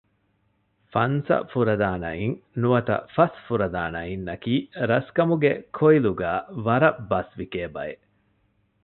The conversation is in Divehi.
‘ފަންސަފުރަދާނައިން’ ނުވަތަ ފަސް ފުރަދާނައިން ނަކީ ރަސްކަމުގެ ކޮއިލުގައި ވަރަށް ބަސްވިކޭ ބައެއް